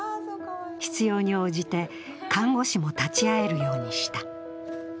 必要に応じて看護師も立ち会えるようにした。